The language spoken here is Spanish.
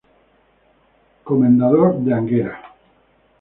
I Comendador de Anguera.